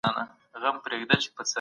نېکي هیڅکله نه ضایع کېږي.